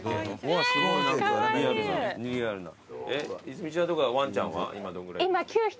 泉ちゃんとこはワンちゃんは今どんぐらい。